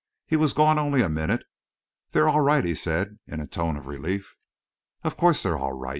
He was gone only a minute. "They're all right," he said, in a tone of relief. "Of course they're all right.